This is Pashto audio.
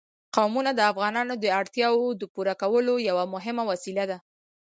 قومونه د افغانانو د اړتیاوو د پوره کولو یوه مهمه وسیله ده.